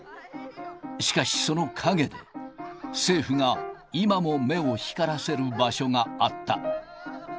しかし、その陰で、政府が今も目を光らせる場所があった。